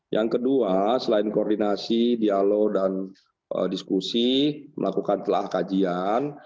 yang kedua selain koordinasi dialog dan diskusi melakukan telah kajian